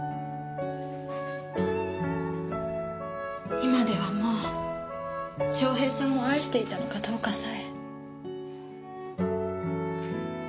今ではもう翔平さんを愛していたのかどうかさえ。